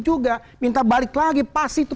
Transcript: juga minta balik lagi pasti itu